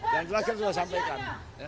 dan selesai sudah saya sampaikan